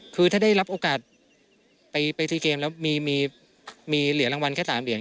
คือถ้าได้รับโอกาสไปที่เกมแล้วมีเหรียญรางวัลแค่๓เหรียญ